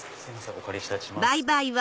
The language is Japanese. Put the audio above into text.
お借りいたします。